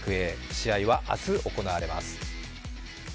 試合は明日行われます。